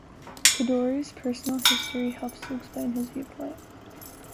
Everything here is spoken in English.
Kedourie's personal history helps to explain his viewpoint.